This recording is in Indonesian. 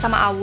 ya pak haji